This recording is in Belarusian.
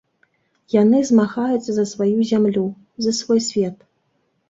Яны змагаюцца за сваю зямлю, за свой свет.